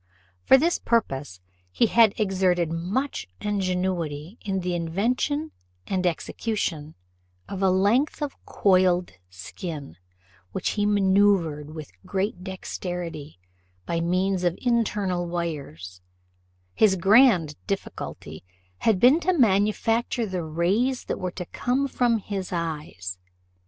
For this purpose he had exerted much ingenuity in the invention and execution of a length of coiled skin, which he manoeuvred with great dexterity, by means of internal wires; his grand difficulty had been to manufacture the rays that were to come from his eyes.